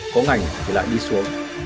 có ngành thì lại đi xuống